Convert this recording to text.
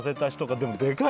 でもでかい。